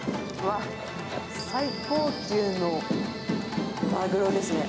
最高級のマグロですね。